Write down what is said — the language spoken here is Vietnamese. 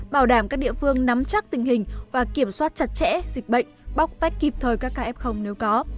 bảo đảm các địa phương nắm chắc tình hình và kiểm soát chặt chẽ dịch bệnh bóc tách kịp thời các ca f nếu có